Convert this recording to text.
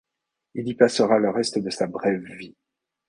Il y passera le reste de sa brève vie.